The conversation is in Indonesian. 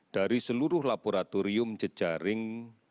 dari seluruh laboratorium jejaring